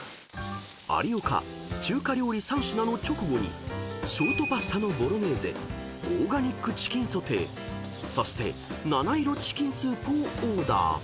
［有岡中華料理３品の直後にショートパスタのボロネーゼオーガニックチキンソテーそしてＮａＮａｉｒｏチキンスープをオーダー］